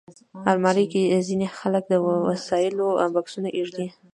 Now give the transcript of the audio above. الماري کې ځینې خلک د وسایلو بکسونه ایږدي